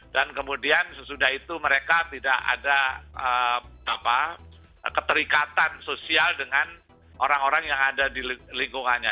dan kemudian sesudah itu mereka tidak ada keterikatan sosial dengan orang orang yang ada di lingkungannya